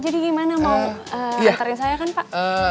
jadi gimana mau anterin saya kan pak